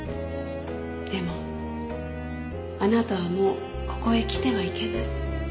でもあなたはもうここへ来てはいけない。